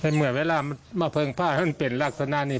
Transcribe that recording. ไม่เหลือเวลามาเพิ่งผ้าและก็เป็นลักษณะนี้